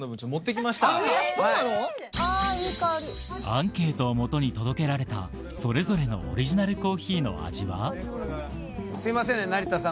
アンケートを元に届けられたそれぞれのオリジナルコーヒーの味はちょっといただきます。